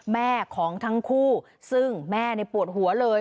แม่ของทั้งคู่ซึ่งแม่ปวดหัวเลย